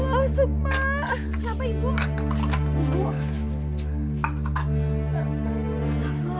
walaupun aku juga menuangahlah